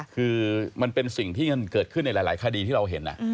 คือมันเป็นสิ่งที่มันเกิดขึ้นในหลายคดีที่เราเห็น